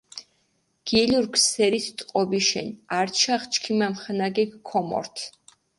გილურქ სერით ტყობიშენ, ართიშახ ჩქიმ ამხანაგიქ ქომორთ.